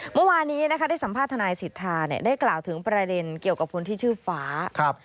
เมื่อวานี้ได้สัมภาษณ์ทนายสิทธาได้กล่าวถึงประเร็ญเกี่ยวกับคนที่ชื่อฟ้า